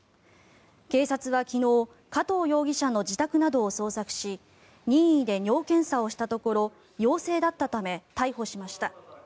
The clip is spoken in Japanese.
警察は昨日加藤容疑者の自宅などを捜索し任意で尿検査をしたところ陽性だったため逮捕しました。